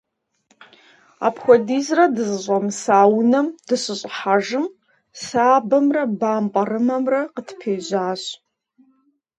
Апхуэдизрэ дызыщӏэмыса унэм дыщыщӏыхьэжым сабэмэмрэ бампӏэрымэмрэ къытпежьащ.